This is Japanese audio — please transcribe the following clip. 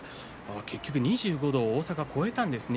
結局２５度大阪は超えたんですね。